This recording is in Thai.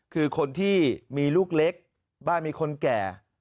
คือคนที่มีลูกเล็กบ้านมีคนแก่